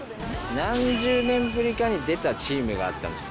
何十年ぶりかに出たチームがあったんですよ。